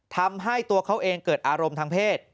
ทำให้ตัวเขาเองเกิดอารมณ์ทางเพศ